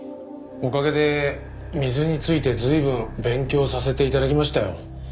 おかげで水について随分勉強させて頂きましたよ。